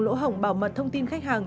lỗ hổng bảo mật thông tin khách hàng